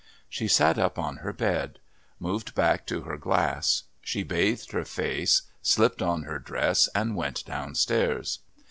She sat up on her bed; moved back to her glass. She bathed her face, slipped on her dress, and went downstairs.